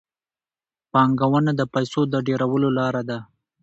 پانګونه د پیسو د ډېرولو لار ده.